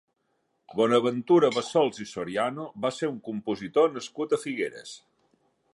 Bonaventura Bassols i Soriano va ser un compositor nascut a Figueres.